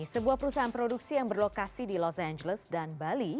sebuah perusahaan produksi yang berlokasi di los angeles dan bali